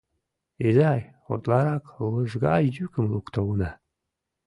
— Изай... — утларак лыжга йӱкым лукто уна.